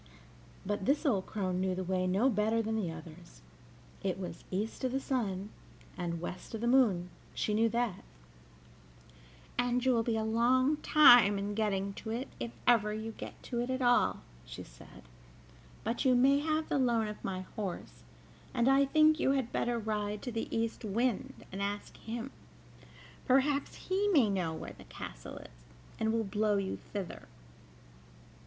But this old crone knew the way no better than the others it was east of the sun and west of the moon, she knew that, "and you will be a long time in getting to it, if ever you get to it at all," she said; "but you may have the loan of my horse, and I think you had better ride to the East Wind, and ask him: perhaps he may know where the castle is, and will blow you thither.